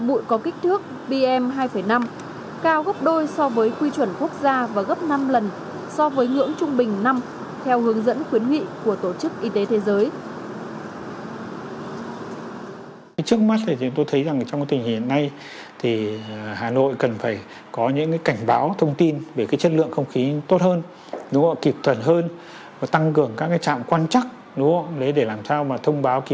bụi có kích thước bm hai năm cao gấp đôi so với quy chuẩn quốc gia và gấp năm lần so với ngưỡng trung bình năm theo hướng dẫn khuyến nghị của tổ chức y tế thế giới